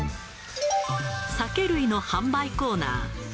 酒類の販売コーナー。